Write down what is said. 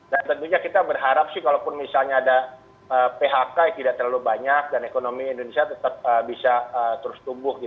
dan tentunya kita berharap sih kalau misalnya ada phk yang tidak terlalu banyak dan ekonomi indonesia tetap bisa terus tumbuh